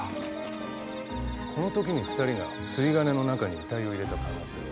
この時に２人が釣り鐘の中に遺体を入れた可能性は？